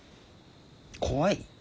怖い？